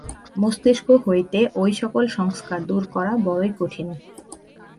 মস্তিষ্ক হইতে ঐ-সকল সংস্কার দূর করা বড়ই কঠিন।